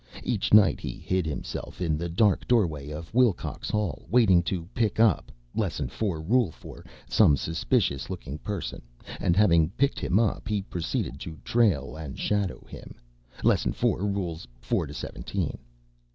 Each night he hid himself in the dark doorway of Willcox Hall waiting to pick up (Lesson Four, Rule Four) some suspicious looking person, and having picked him up, he proceeded to trail and shadow him (Lesson Four, Rules Four to Seventeen).